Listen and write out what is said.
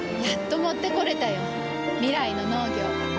やっと持ってこれたよ。未来の農業。